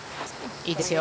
いいですね。